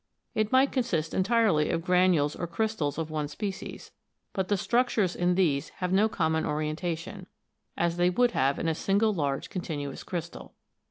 It may consist entirely of granules or crystals of one species ; but the structures in these have no common orientation, as they would have in a single large continuous crystal.